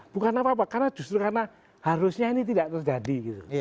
bukan apa apa karena justru karena harusnya ini tidak terjadi gitu